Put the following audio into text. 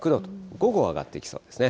午後上がっていきそうですね。